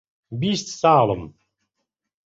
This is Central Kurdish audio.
بیست ساڵم.